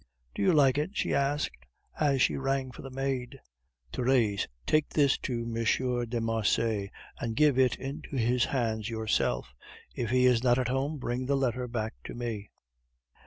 "Do you like it?" she asked, as she rang for the maid. "Therese, take this to M. de Marsay, and give it into his hands yourself. If he is not at home, bring the letter back to me."